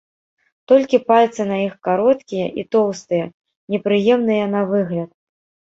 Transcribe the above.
Толькі пальцы на іх кароткія і тоўстыя, непрыемныя на выгляд.